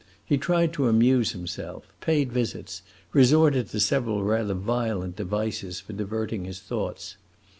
He tried to amuse himself, paid visits, resorted to several rather violent devices for diverting his thoughts.